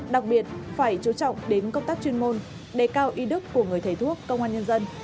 đặc biệt phải chú trọng đến công tác chuyên môn đề cao y đức của người thầy thuốc công an nhân dân